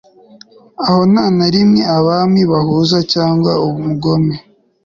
aho nta na rimwe abami bahuza cyangwa umugome